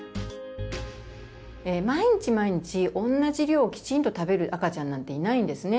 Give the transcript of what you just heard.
毎日毎日同じ量をきちんと食べる赤ちゃんなんていないんですね。